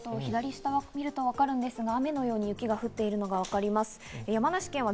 こちらは雪が積もっていて、左下を見るとわかるんですが、雨のように雪が降っているのが分かります。